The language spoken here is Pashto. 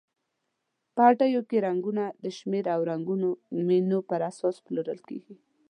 په هټیو کې رنګونه د شمېر او رنګونو مینو پر اساس پلورل کیږي.